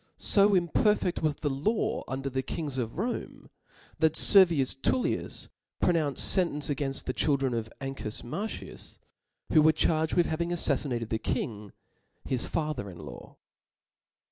So imperfe6t('»)Tar. was the law under the kings of Ronie, that Servius^^.fp^^^^^^^ Tullius pronounced fentence againft the children of SeeDio Ancus Martius, who were charged with having j Ja^^n,"*" affaflinated the king his father in law \^).